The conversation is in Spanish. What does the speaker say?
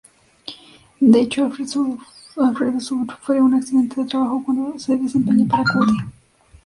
De hecho Alfredo sufre un accidente de trabajo cuando se desempeña para Cuddy.